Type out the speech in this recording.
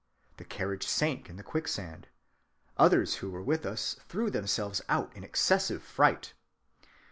The carriage sank in the quicksand. Others who were with us threw themselves out in excessive fright.